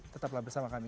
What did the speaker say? tetaplah bersama kami